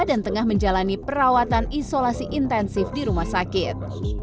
dan tengah menjalani perawatan isolasi intensif di rumah sakit